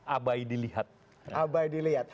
abai dilihat abai dilihat